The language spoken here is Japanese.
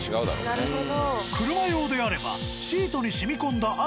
なるほど。